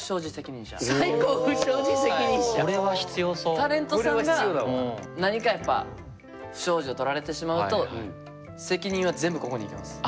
タレントさんが何かやっぱ不祥事を撮られてしまうと責任は全部ここにいきます。